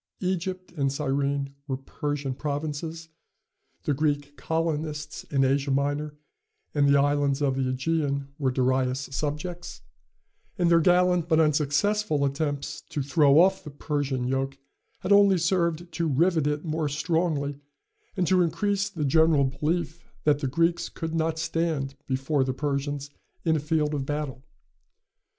Egypt and Cyrene were Persian provinces; the Greek colonists in Asia Minor and the islands of the Ægean were Darius' subjects; and their gallant but unsuccessful attempts to throw off the Persian yoke had only served to rivet it more strongly, and to increase the general belief that the Greeks could not stand before the Persians in a field of battle.